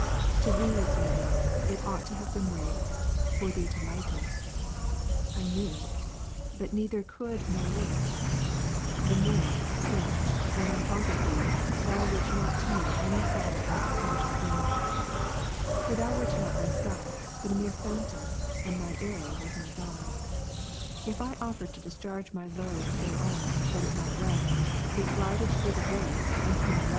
To Thee, O Lord, it ought to have been raised, for Thee to lighten ; I knew it ; but neither could nor would ; the more, since, when I thought of Thee, Thou wert not to me any solid or substantial thing. For Thou wert not Tliyself, but a mere phantom", and my error was my God. If I offered to discharge my load thereon, that it might rest, it glided through the void, and came rushing down ' Hor. Carm. 1. i.